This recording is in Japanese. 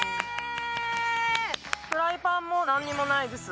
フライパンも何にもないです